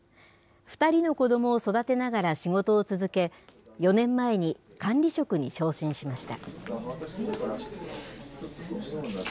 ２人の子どもを育てながら仕事を続け、４年前に管理職に昇進しました。